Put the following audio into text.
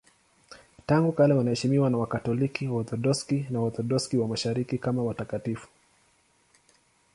Tangu kale wanaheshimiwa na Wakatoliki, Waorthodoksi na Waorthodoksi wa Mashariki kama watakatifu.